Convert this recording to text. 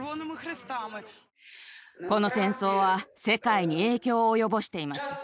この戦争は世界に影響を及ぼしています。